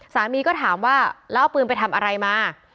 สามีก็ถามว่าแล้วเอาปืนไปทำอะไรมา